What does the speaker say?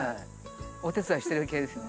お手伝いしてる系ですね。